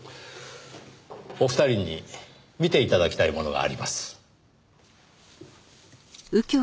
お二人に見て頂きたいものがあります。